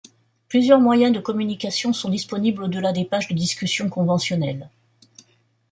Plusieurs moyens de communication sont disponibles au-delà des pages de discussion conventionnelles.